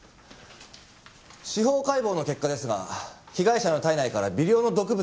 司法解剖の結果ですが被害者の体内から微量の毒物が検出されました。